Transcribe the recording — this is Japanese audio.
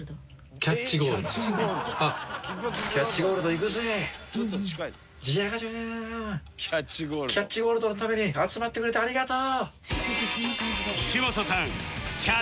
キャッチゴールドのために集まってくれてありがとう！